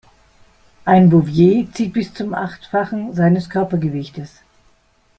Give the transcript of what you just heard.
Ein Bouvier zieht bis zum Achtfachen seines Körpergewichtes.